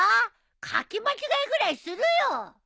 書き間違いぐらいするよ！